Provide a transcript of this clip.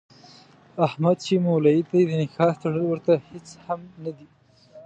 احمد چې مولوي دی د نکاح تړل ورته هېڅ هم نه دي.